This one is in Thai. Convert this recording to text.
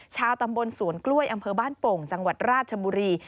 ชาวตำบลสวนกล้วยอำเภอบ้านโป่งจังหวัดราชบุรี